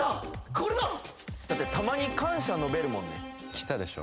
これだたまに感謝述べるもんねきたでしょ